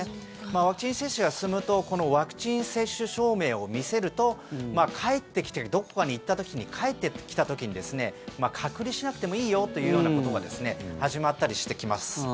ワクチン接種が進むとワクチン接種証明を見せると帰ってきてどこかに行った時に帰ってきた時に隔離しなくてもいいよというようなことが始まったりしてきます。